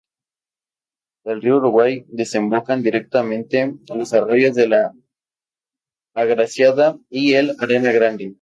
Del río Uruguay desembocan directamente los arroyos de la Agraciada y el Arenal Grande.